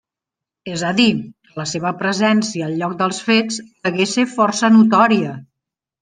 És a dir, que la seva presència al lloc dels fets degué ser força notòria.